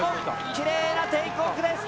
きれいなテイクオフです。